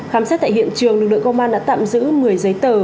khám xét tại hiện trường lực lượng công an đã tạm giữ một mươi giấy tờ